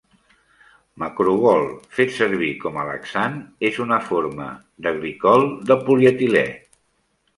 Macrogol, fet servir com a laxant, és una forma de glicol de polietilè.